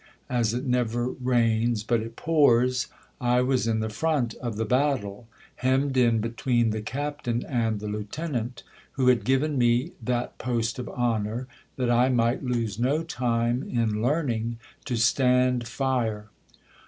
As it never rains but it pours, I was in the front of the battle, hemmed in between the cap tain and the lieutenant, who had given me that post of honour, that I might lose no time in learning to stand fire.